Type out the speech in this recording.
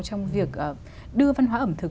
trong việc đưa văn hóa ẩm thực